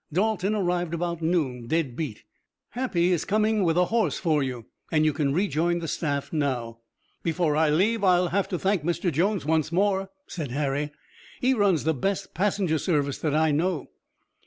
Dalton arrived about noon, dead beat. Happy is coming with a horse for you, and you can rejoin the staff now." "Before I leave I'll have to thank Mr. Jones once more," said Harry. "He runs the best passenger service that I know."